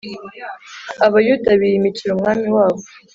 abayuda biyimikira umwami wabo